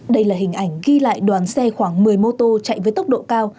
đây là hình ảnh ghi lại đoàn xe khoảng một mươi mô tô chạy với tốc độ cao